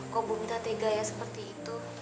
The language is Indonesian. kok bumita tegaya seperti itu